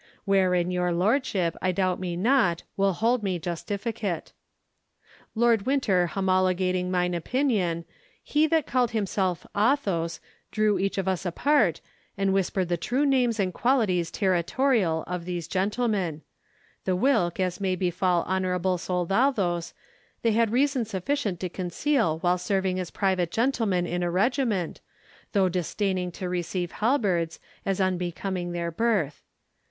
Wherein your lordship, I doubt me not, will hold me justificate. Lord Winter homologating mine opinion, he that called himself Athos drew each of us apart, and whispered the true names and qualities territorial of these gentlemen; the whilk, as may befall honourable soldados, they had reason sufficient to conceal while serving as private gentlemen in a regiment, though disdaining to receive halberds, as unbecoming their birth.